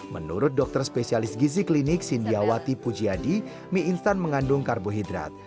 menurut dokter spesialis gizi klinik sindiawati pujiadi mie instan mengandung karbohidrat